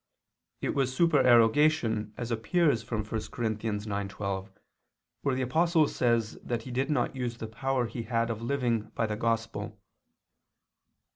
It was supererogation, as appears from 1 Cor. 9:12, where the Apostle says that he did not use the power he had of living by the Gospel.